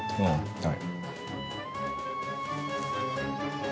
はい。